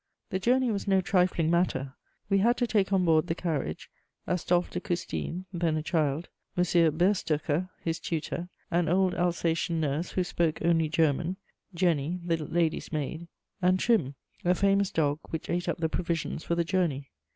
The journey was no trifling matter: we had to take on board the carriage Astolphe de Custine, then a child, M. Berstoecher, his tutor, an old Alsatian nurse, who spoke only German, Jenny, the lady's maid, and Trim, a famous dog which ate up the provisions for the journey.